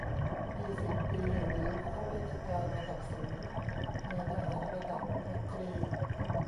ยี่สิบ ปี หรือ ข้าราชการระดับสูง นายทหารระดับพลตรี